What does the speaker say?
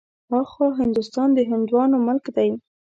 ها خوا هندوستان د هندوانو ملک دی.